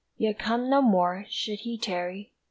Yet come no more, should he tarry